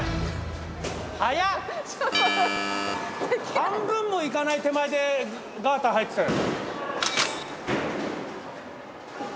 半分も行かない手前でガーター入ってたよ。